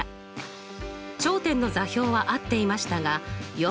頂点の座標は合っていましたがよく見ると。